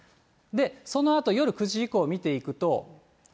そのあと夜９時以降を見ていくと。